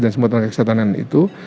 semua tenaga kesehatan itu